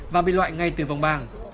và bị loại ngay từ vòng bảng